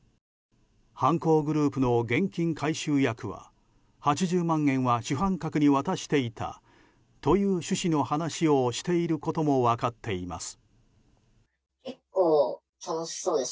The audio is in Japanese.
犯行グループの現金回収役は８０万円は主犯格に渡していたという趣旨の話をしていることが分かっています。